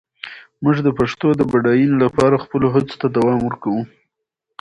موږ د پښتو د بډاینې لپاره خپلو هڅو ته دوام ورکوو.